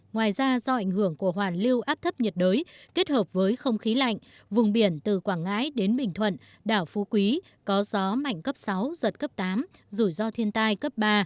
ngoài ra do ảnh hưởng của hoàn lưu áp thấp nhiệt đới kết hợp với không khí lạnh vùng biển từ quảng ngãi đến bình thuận đảo phú quý có gió mạnh cấp sáu giật cấp tám rủi ro thiên tai cấp ba